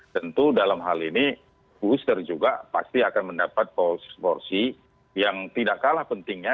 tentu dalam hal ini booster juga pasti akan mendapat porsi yang tidak kalah pentingnya